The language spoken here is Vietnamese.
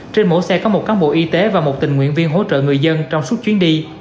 trên mỗi xe có một cán bộ y tế và một tình nguyện viên hỗ trợ người dân trong suốt chuyến đi